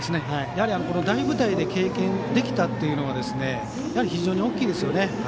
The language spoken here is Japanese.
やはり大舞台を経験できたというのは非常に大きいですね。